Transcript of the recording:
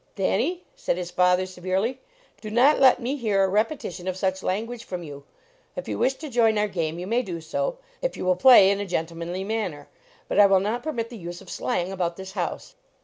Thanny," said his father, severely, " do not let me hear a repetition of such language from you. If you wish to join our game, you may do so, if you will play in a gentle manly manner. But I will not permit the use of slang about this house.